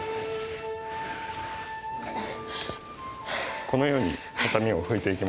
このように畳を拭いていきます。